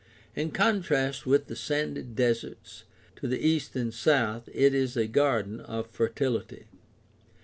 In contrast with the sandy deserts to the east and south it is a garden of fertility.